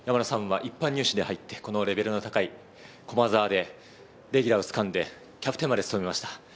一般入試で入ってこのレベルの高い駒澤でレギュラーを掴んでキャプテンまで務めました。